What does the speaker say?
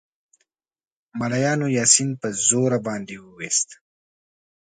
ملایانو یاسین په زوره باندې ووایاست.